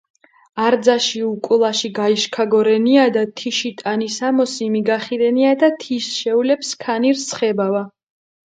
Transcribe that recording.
არძაში უკულაში გაიშქაგორენიადა, თიში ტანისამოსი მიგახირენიადა, თის შეულებჷ სქანი რსხებავა.